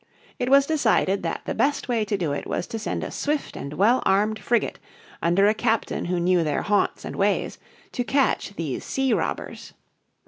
It was decided that the best way to do it was to send a swift and well armed frigate under a captain who knew their haunts and ways, to catch these sea robbers.